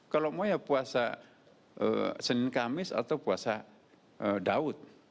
kalau mau ya puasa senin kamis atau puasa daud